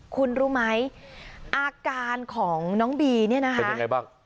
คุณรู้ไหมอาการของน้องบีเนี่ยนะคะเป็นยังไงบ้าง